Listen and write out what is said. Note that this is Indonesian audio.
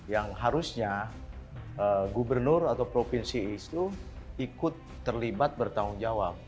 yang harusnya gubernur atau provinsi itu ikut terlibat bertanggung jawab